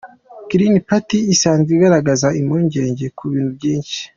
Green Party isanzwe igaragaza impungenge ku bintu byinshi.